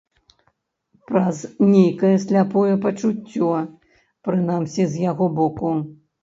Праз нейкае сляпое пачуццё, прынамсі, з яго боку.